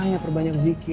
makanya perbanyak zikir